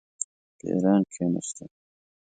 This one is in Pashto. پیران کښېنستل.